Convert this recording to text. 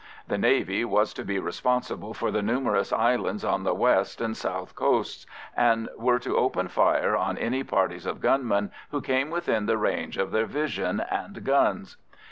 The Navy was to be responsible for the numerous islands on the west and south coasts, and were to open fire on any parties of gunmen who came within the range of their vision and guns.